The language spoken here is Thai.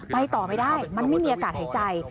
ต่อไม่ได้มันไม่มีอากาศหายใจ